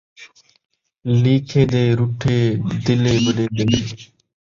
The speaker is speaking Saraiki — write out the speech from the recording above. لیکھے دے رُٹھے دلیں منین٘دن